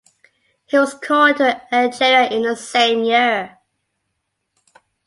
He was called to Algeria in the same year.